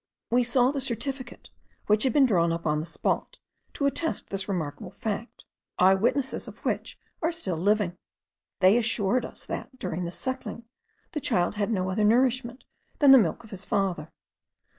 We saw the certificate, which had been drawn up on the spot, to attest this remarkable fact, eye witnesses of which are still living. They assured us that, during this suckling, the child had no other nourishment than the milk of his father.